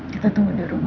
kita tunggu dia